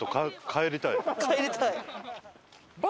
帰りたい。